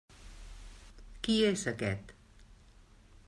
Qui és aquest?